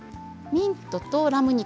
ミントとラム肉？